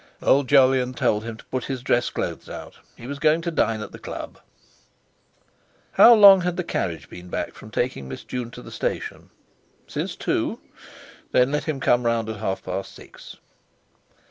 Old Jolyon told him to put his dress clothes out; he was going to dine at the Club. How long had the carriage been back from taking Miss June to the station? Since two? Then let him come round at half past six!